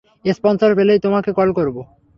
Sponsor পেলেই তোমাকে call করব।